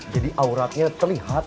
jadi auratnya terlihat